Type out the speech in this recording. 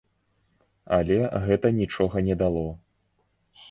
Але гэта нічога не дало.